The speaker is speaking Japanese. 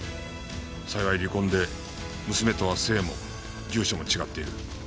幸い離婚で娘とは姓も住所も違っている。